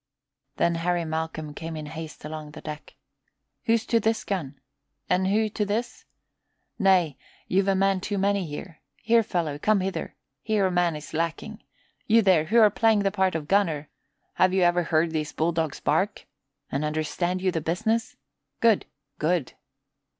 Then Harry Malcolm came in haste along the deck. "Who's to this gun? And who to this? Nay, you've a man too many there. Here, fellow, come hither! Here a man is lacking. You there, who are playing the part of gunner, have you ever heard these bulldogs bark? And understand you the business? Good, good!"